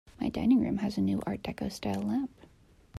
My dining room has a new art deco style lamp.